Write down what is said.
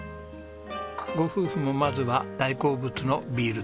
ご夫婦もまずは大好物のビールと。